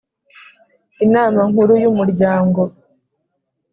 Inama Nkuru y Umuryango